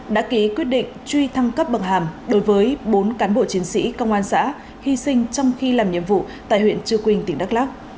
đã ký quyết định truy thăng cấp bậc hàm đối với bốn cán bộ chiến sĩ công an xã hy sinh trong khi làm nhiệm vụ tại huyện trư quynh tỉnh đắk lắc